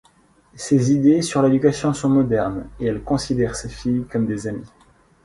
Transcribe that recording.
Ses idées sur l’éducation sont modernes et elle considère ses filles comme des amies.